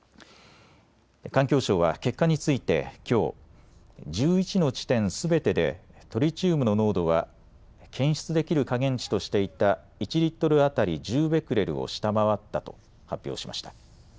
環境省は結果について、きょう１１の地点すべてでトリチウムの濃度は検出できる下限値としていた１リットル当たり１０ベクレルを下回ったと発表しました。